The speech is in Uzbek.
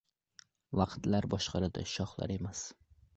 • Vaqtlar boshqaradi, shohlar emas.